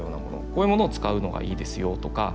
こういうものを使うのがいいですよとか。